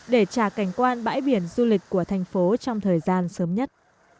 để trả cảnh quan bãi biển du lịch của thành phố trong thời gian sớm nhất